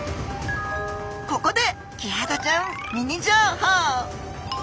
ここでキハダちゃんミニ情報！